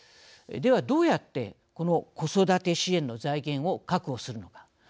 では、どうやってこの子育て支援の財源を確保するのか。